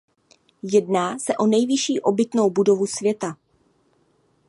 Jedná se o nejvyšší obytnou budovu světa.